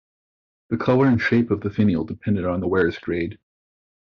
The colour and shape of the finial depended on the wearer's grade.